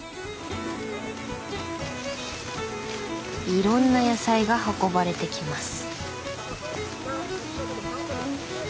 いろんな野菜が運ばれてきます。